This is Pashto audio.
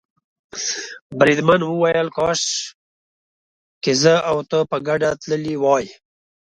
بریدمن وویل کاشکې زه او ته په ګډه تللي وای.